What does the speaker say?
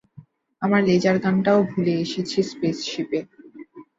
আমার লেজার গানটাও ভুলে এসেছি স্পেসশিপে।